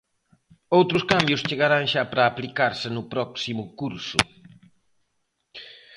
Outros cambios chegarán xa para aplicarse no próximo curso.